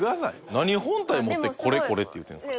何本体持って「これこれ」って言うてるんですか。